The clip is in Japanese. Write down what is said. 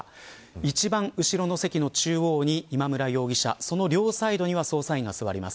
一番後ろの席の中央に今村容疑者その両サイドには捜査員が座ります。